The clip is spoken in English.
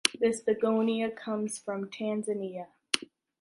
This Begonia comes from Tanzania.